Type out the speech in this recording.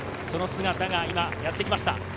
その姿が今やってきました。